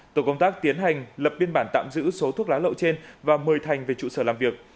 tổ công tác tiến hành lập biên bản tạm giữ số thuốc lá lậu trên và mời thành về trụ sở làm việc